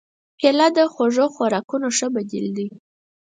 کېله د خوږو خوراکونو ښه بدیل دی.